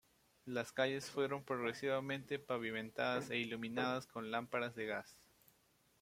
Las calles fueron progresivamente pavimentadas e iluminadas con lámparas de gas.